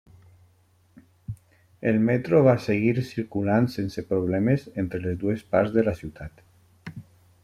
El metro va seguir circulant sense problemes entre les dues parts de la ciutat.